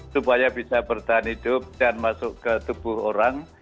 supaya bisa bertahan hidup dan masuk ke tubuh orang